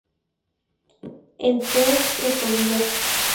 El pez de Tobías